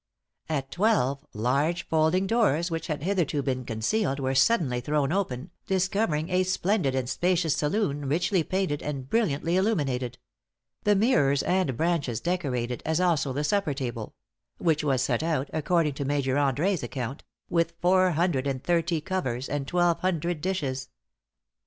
At twelve, large folding doors, which had hitherto been concealed, were suddenly thrown open, discovering' a splendid and spacious saloon, richly painted, and brilliantly illuminated; the mirrors and branches decorated, as also the supper table; which was set out according to Major André's account with four hundred and thirty covers, and twelve hundred dishes.